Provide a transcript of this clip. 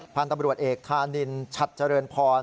พันธุ์ตำรวจเอกธานินฉัดเจริญพร